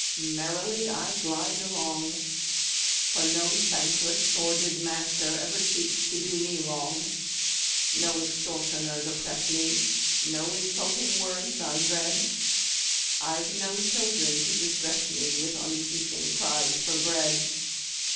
Merrily I glide along, For no thankless, sordid master, Ever seeks to do me wrong: No extortioners oppress me, No insulting words I dread I've no children to distress me With unceasing cries for bread.